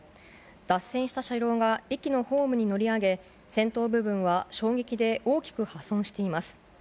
脱線した車両が駅のホームに乗り上げ、先頭部分は衝撃で大きく破損しています。